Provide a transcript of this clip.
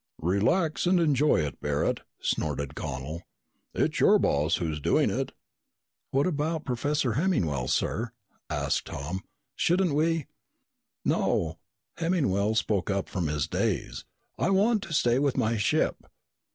"Relax and enjoy it, Barret," snorted Connel. "It's your boss who's doing it!" "What about Professor Hemmingwell, sir?" asked Tom. "Shouldn't we ?" "No," Hemmingwell spoke up from his daze. "I want to stay with my ship."